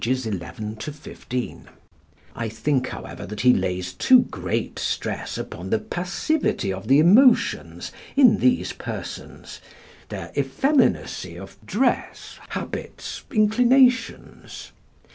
11 15) I think, however, that he lays too great stress upon the passivity of the emotions in these persons, their effeminacy of press, habits, inclinations.